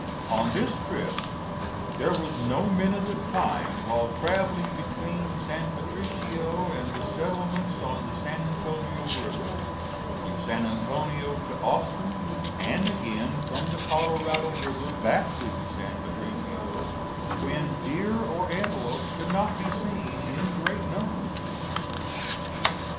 On this trip there was no minute of time while travelling between San Patricio and the settlements on the San Antonio River, from San Antonio to Austin, and again from the Colorado River back to San Patricio, when deer or antelope could not be seen in great numbers.